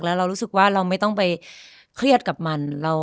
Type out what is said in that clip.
แล้วเรารู้สึกว่าเราไม่ต้องไปเครียดกับมัน